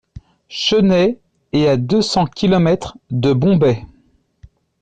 Chennai est à deux cents kilomètres de Bombay.